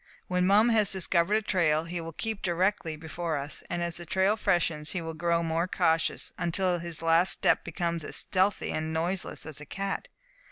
When Mum has discovered a trail, he will keep directly before us, and as the trail freshens he will grow more cautious, until at last his step becomes as stealthy and noiseless as a cat.